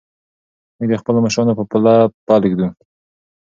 موږ د خپلو مشرانو په پله پل ږدو.